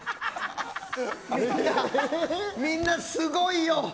みんなすごいよ。